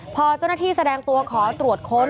พอเจ้าหน้าที่แสดงตัวขอตรวจค้น